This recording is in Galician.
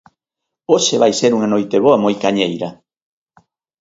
Hoxe vai ser unha Noiteboa moi cañeira.